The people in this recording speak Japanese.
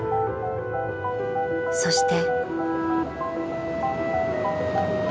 ［そして］